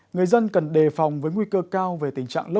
người dân cần đề phòng với nguy cơ cao về tình trạng lốc